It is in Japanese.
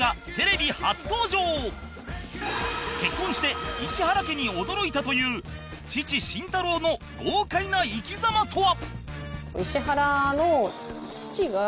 結婚して石原家に驚いたという父慎太郎の豪快な生き様とは！？